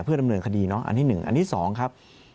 เพื่อดำเนินคดีเนาะอันที่หนึ่งอันที่สองครับ